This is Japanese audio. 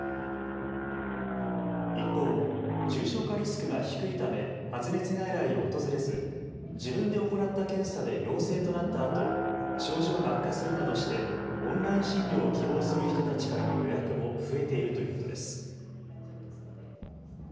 一方、重症化リスクが低いため発熱外来を訪れず、自分で行った検査で陽性となったあと症状が悪化するなどしてオンライン診療を希望する人たちからの予約も増えているということです。